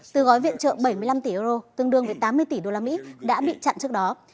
từ gói viện trợ bảy mươi năm tỷ euro tương đương với tám mươi tỷ đô la mỹ đã bị chặn trước đó